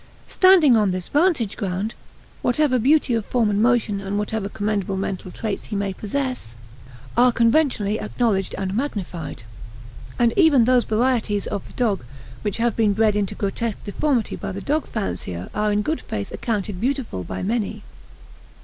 Standing on this vantage ground, whatever beauty of form and motion and whatever commendable mental traits he may possess are conventionally acknowledged and magnified. And even those varieties of the dog which have been bred into grotesque deformity by the dog fancier are in good faith accounted beautiful by many.